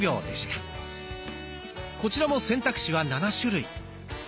こちらも選択肢は７種類。